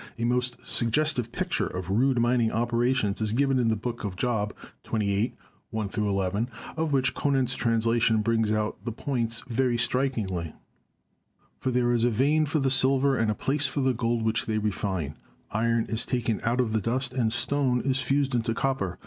A most suggestive picture of rude mining operations is given in the book of Job, xxviii, 1 11, of which Conant's translation brings out the points very strikingly: 'Tor there is a vein for the silver, and a place for the gold which they refine. Iron is taken out of the dust, and stone is fused into copper.